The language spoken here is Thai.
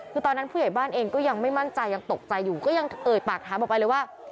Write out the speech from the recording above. คือตอนนั้นผู้ใหญ่บ้านเองก็ยังไม่มั่นใจยังตกใจอยู่ก็ยังเอ่ยปากถามออกไปเลยว่า